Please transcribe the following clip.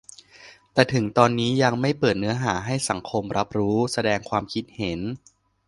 แต่ถึงตอนนี้ยังไม่เปิดเนื้อหาให้สังคมรับรู้-แสดงความคิดเห็น